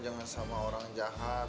jangan sama orang jahat